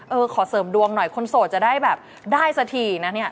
เออขอเสริมดวงหน่อยคนโสดจะได้แบบได้สักทีนะเนี่ย